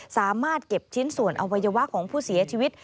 สามารถเก็บชิ้นส่วนอวัยวะของผู้เสียชีวิต